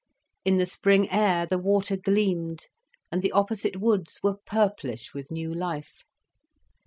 In the spring air, the water gleamed and the opposite woods were purplish with new life.